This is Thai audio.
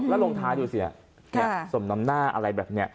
แล้วลงท้ายดูสิสมน้ำหน้าอะไรแบบนี้